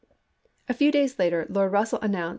A few days later Lord Russell announced 1861.